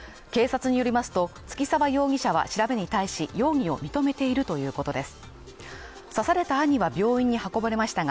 警察によりますと、月澤容疑者は調べに対し容疑を認めているということです。